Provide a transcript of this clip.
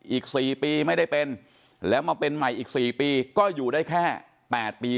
อีก๔ปีไม่ได้เป็นแล้วมาเป็นใหม่อีก๔ปีก็อยู่ได้แค่๘ปี